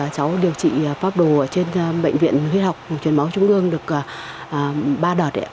cháu điều trị pháp đồ trên bệnh viện huyết học truyền máu trung ương được ba đợt